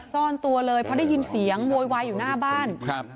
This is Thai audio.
ซ่อนตัวเลยเพราะได้ยินเสียงโวยวายอยู่หน้าบ้านครับ